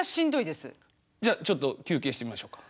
じゃあちょっと休憩してみましょうか。